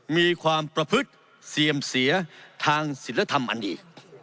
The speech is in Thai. มีความประพฤติเสื่อมเสียทางศิลธรรมอันดี